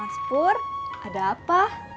mas pur ada apa